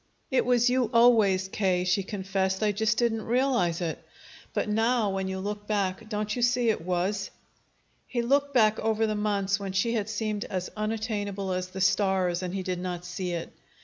"It was you always, K.," she confessed. "I just didn't realize it. But now, when you look back, don't you see it was?" He looked back over the months when she had seemed as unattainable as the stars, and he did not see it.